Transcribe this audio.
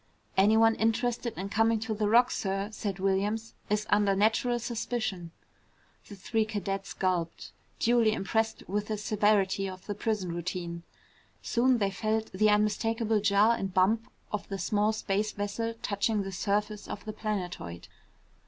"Anyone interested in coming to the Rock, sir," said Williams, "is under natural suspicion." The three cadets gulped, duly impressed with the severity of the prison routine. Soon they felt the unmistakable jar and bump of the small space vessel touching the surface of the planetoid.